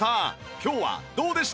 今日はどうでした？